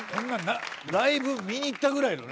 ライブ見に行ったぐらいのね。